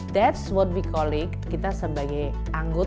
that's what we call it kita sebagai anggota